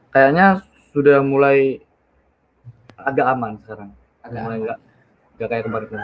kayaknya sudah mulai agak aman sekarang agak enggak enggak kayak berguna